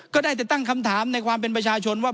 ก็ได้แต่ตั้งคำถามในความเป็นประชาชนว่า